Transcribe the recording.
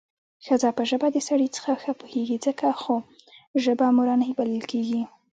ښځه په ژبه د سړي څخه ښه پوهېږي څکه خو ژبه مورنۍ بلل کېږي